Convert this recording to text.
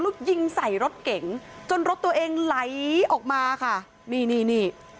แล้วยิงใส่รถเก๋งจนรถตัวเองไหลออกมาค่ะนี่นี่